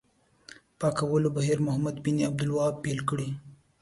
پاکولو بهیر محمد بن عبدالوهاب پیل کړی.